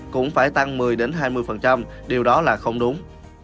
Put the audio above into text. cũng phải tăng một mươi hai mươi điều đó là không đúng